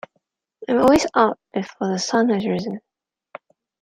I'm always up before the sun has risen.